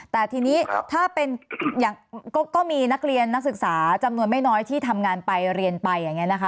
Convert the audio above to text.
แต่ทีนี้ถ้าเป็นอย่างก็มีนักเรียนนักศึกษาจำนวนไม่น้อยที่ทำงานไปเรียนไปอย่างนี้นะคะ